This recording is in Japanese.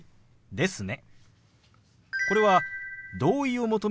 「ですね」。